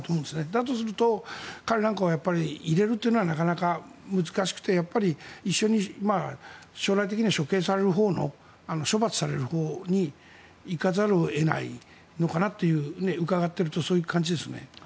だとすると、彼なんかは入れるというのはなかなか難しくて一緒に将来的には処刑されるほうの処罰されるほうに行かざるを得ないのかなと伺っているとそういう感じですね。